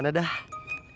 ya udah kita ke rumah